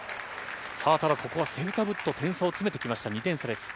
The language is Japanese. ただ、ここはセウタブット、点差を詰めてきました、２点差です。